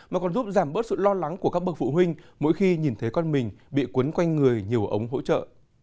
mà còn giúp giảm bớt sự lo lắng của các bậc phụ huynh mỗi khi nhìn thấy con mình bị cuốn quanh người nhiều ống hỗ trợ